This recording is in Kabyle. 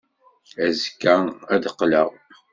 Azekka ad d-qqleɣ.